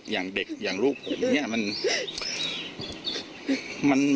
อย่างเด็กอย่างลูกเหมือนนี้